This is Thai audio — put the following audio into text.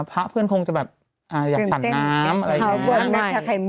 พระเพื่อนคงจะแบบอยากสั่นน้ำอะไรอย่างนี้